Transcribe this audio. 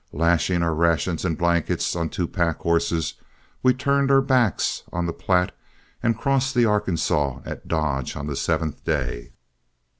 Lashing our rations and blankets on two pack horses, we turned our backs on the Platte and crossed the Arkansaw at Dodge on the seventh day.